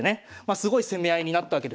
すごい攻め合いになったわけですね。